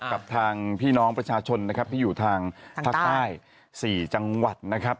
กับทางพี่น้องประชาชนนะครับที่อยู่ทางภาคใต้๔จังหวัดนะครับ